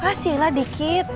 kasih lah dikit